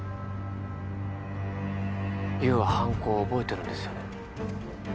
優は犯行を覚えてるんですよね